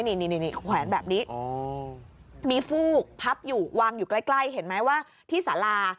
นี่แขวนแบบนี้มีฟูกพับอยู่วางอยู่ใกล้เห็นไหมว่าที่สารา